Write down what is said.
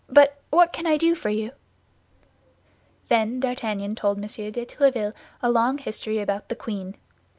But what can I do for you?" Then D'Artagnan told M. de Tréville a long history about the queen.